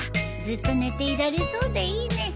ずっと寝ていられそうでいいね。